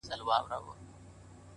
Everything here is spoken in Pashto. د سوځېدلو لرگو زور خو له هندو سره وي-